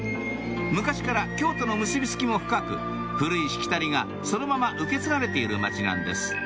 昔から京との結び付きも深く古いしきたりがそのまま受け継がれている町なんです